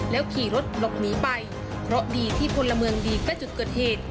ขี่รถหลบหนีไปเพราะดีที่พลเมืองดีใกล้จุดเกิดเหตุ